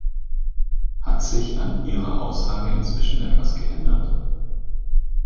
Hat sich an Ihrer Aussage inzwischen etwas geändert?